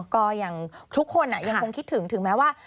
ก็อย่างทุกคนยังคงคิดถึงถึงแม้ว่า